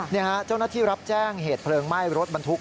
นี่ฮะเจ้าหน้าที่รับแจ้งเหตุเพลิงไหม้รถบรรทุก